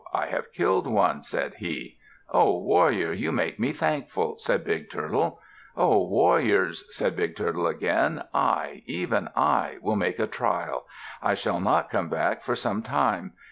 I have killed one," said he. "Ho! warrior, you make me thankful," said Big Turtle. "Ho! warriors," said Big Turtle again. "I, even I, will make a trial. I shall not come back for some time.